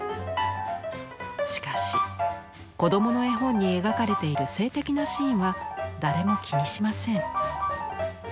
しかし子どもの絵本に描かれている性的なシーンは誰も気にしません。